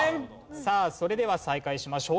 さあそれでは再開しましょう。